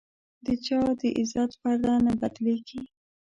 د چا د عزت پرده نه بدلېږي.